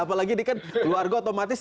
apalagi ini kan keluarga otomatis